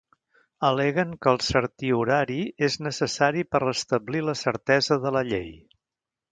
Al·leguen que el certiorari és necessari per restablir la certesa de la llei.